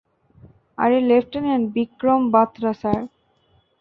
আর এ lieutenant Vikram Batra, sir.